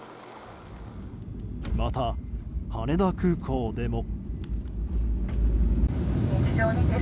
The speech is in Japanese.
また羽田空港でも。